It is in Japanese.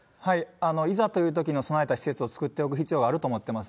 いざというときに備えた施設を作っておく必要があると思ってます。